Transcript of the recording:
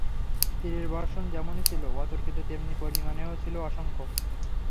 তীরের বর্ষণ যেমনি ছিল অতর্কিত তেমনি পরিমাণেও ছিল অসংখ্য।